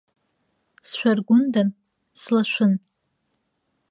Сшәаргәындан, слашәын.